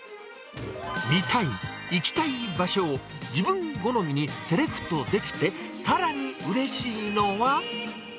見たい、行きたい場所を、自分好みにセレクトできて、さらにうれしいのが。